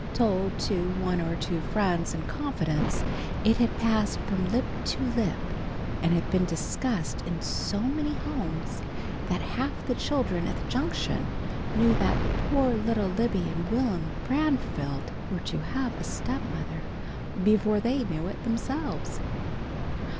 Told to one or two friends in confidence, it had passed from lip to lip and had been discussed in so many homes, that half the children at the Junction knew that poor little Libby and Will'm Branfield were to have a stepmother, before they knew it themselves.